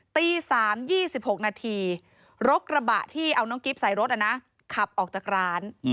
ตี๓๒๖นาทีรถกระบะที่เอาน้องกิ๊บใส่รถขับออกจากร้าน